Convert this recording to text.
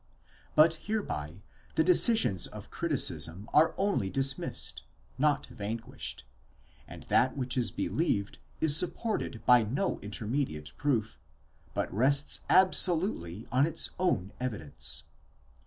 But hereby the decisions of criticism are only dismissed, not vanquished, and that which is believed is supported by no intermediate proof, but rests absolutely on its own evidence.